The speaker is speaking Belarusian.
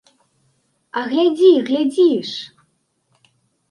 А глядзі, глядзі ж!